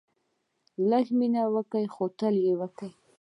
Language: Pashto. لږ مینه کوئ ، خو تل یې کوئ